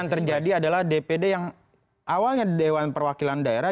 jadi yang terjadi adalah dpd yang awalnya dewan perwakilan daerah